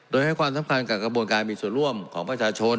โดยให้ความสำคัญกับกระบวนการมีส่วนร่วมของประชาชน